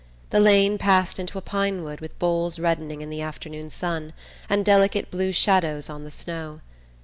The lane passed into a pine wood with boles reddening in the afternoon sun and delicate blue shadows on the snow.